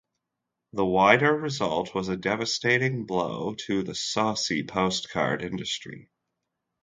The wider result was a devastating blow to the saucy postcard industry.